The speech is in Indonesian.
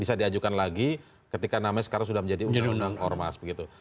bisa diajukan lagi ketika namanya sekarang sudah menjadi undang undang ormas begitu